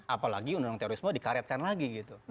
apalagi undang undang terorisme dikaretkan lagi gitu